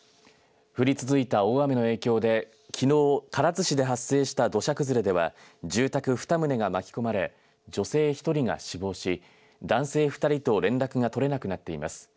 降り続いた大雨の影響できのう唐津市で発生した土砂崩れでは住宅２棟が巻き込まれ女性１人が死亡し男性２人と連絡が取れなくなっています。